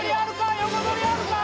横取りあるかー？